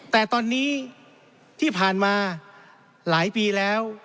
แต่ตอนนี้ที่ผ่านมาหลายปีแล้ว